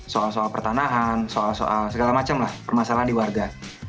soal soal pertanahan soal soal segala macam lah permasalahan di warga